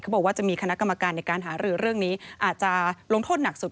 บอกว่าจะมีคณะกรรมการในการหารือเรื่องนี้อาจจะลงโทษหนักสุด